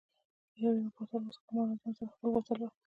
یو یو بوتل و څښه، ما له ځان سره خپل بوتل واخیست.